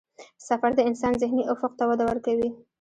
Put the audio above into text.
سفر د انسان ذهني افق ته وده ورکوي.